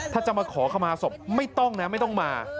ถ้าจะมาขอขมาศพไม่ต้องนะไม่ต้องมา